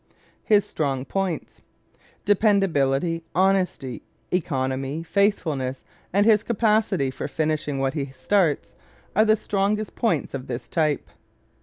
His Strong Points ¶ Dependability, honesty, economy, faithfulness and his capacity for finishing what he starts are the strongest points of this type.